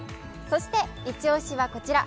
そして、イチ押しはこちら。